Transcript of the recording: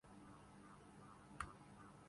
یہاں اس کی بہت ضرورت ہے۔